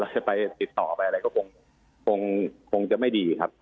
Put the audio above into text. จะไปติดต่อไปอะไรก็คงจะไม่ดีครับ